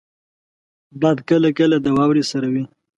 باد کله کله د واورې سره وي